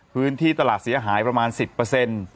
พื้นที่ตลาดเสียหายประมาณ๑๐